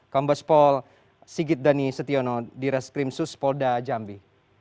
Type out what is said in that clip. kambas pol sigit dhani setiono dirreskrim sus polda jambi